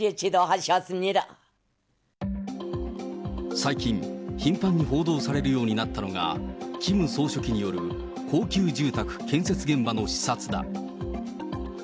最近、頻繁に報道されるようになったのが、キム総書記による高級住宅建設現場の視察だ。